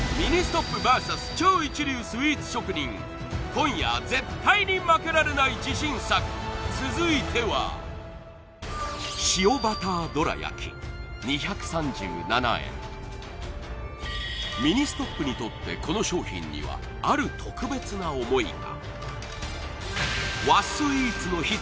今夜絶対に負けられない自信作続いてはミニストップにとってこの商品にはある特別な思いが！